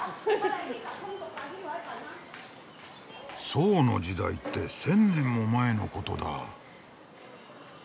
宋の時代って千年も前のことだ。